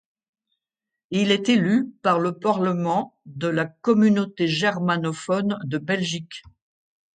Il est élu par le Parlement de la Communauté germanophone de Belgique.